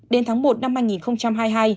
đến tháng một năm hai nghìn hai mươi hai